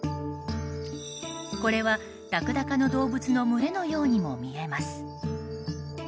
これはラクダ科の動物の群れのようにも見えます。